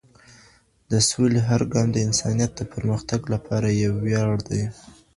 د سولي هر ګام د انسانیت د پرمختګ لپاره یو ویاړ دی.